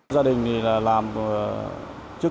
gia đình làm trước